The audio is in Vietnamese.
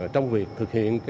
trong việc thực hiện